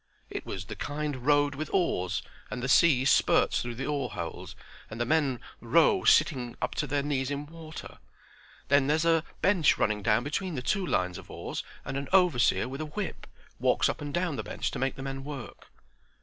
"It was the kind rowed with oars, and the sea spurts through the oar holes and the men row sitting up to their knees in water. Then there's a bench running down between the two lines of oars and an overseer with a whip walks up and down the bench to make the men work."